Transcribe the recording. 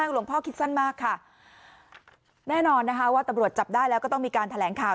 หลวงพ่อคิดสั้นมากค่ะแน่นอนนะคะว่าตำรวจจับได้แล้วก็ต้องมีการแถลงข่าว